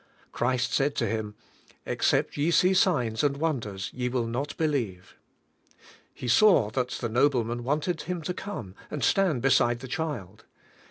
Christ said to him, "Except ye see signs and wonders, ye will not believe." He saw that the nobleman wanted Him to come and stand be side the child.